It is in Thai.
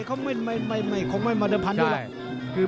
เขาไม่มาเดินพันไม่เห็น